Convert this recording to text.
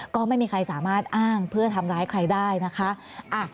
ก็ไม่มีใครสามารถอ้างเพื่อทำร้ายใครได้นะคะ